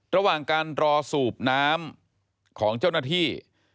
ระหว่างการรอสูบน้ำของเจ้าหน้าที่